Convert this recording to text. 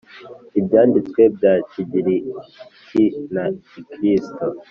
Ibyanditswe bya kigiriki na gikristo